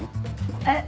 えっ。